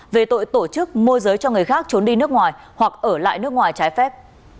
về tội tổ chức môi giới cho người khác trốn đi nước ngoài hoặc ở lại nước ngoài trái phép